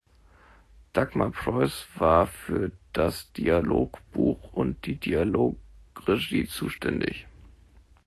Dagmar Preuss war für das Dialogbuch und die Dialogregie zuständig.